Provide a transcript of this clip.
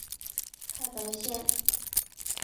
太白线